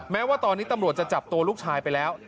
แม้ว่าตอนนี้ตำรวจจะจับตัวลูกชายไปแล้ว